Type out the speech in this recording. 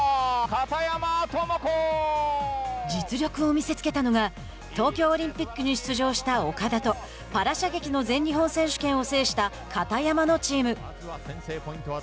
実力を見せつけたのが東京オリンピックに出場した岡田とパラ射撃の全日本選手権を制した片山のチーム。